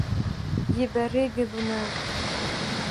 Ебәрегеҙ уны!..